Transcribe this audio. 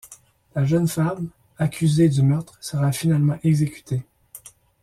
La jeune femme, accusée du meurtre, sera finalement exécutée.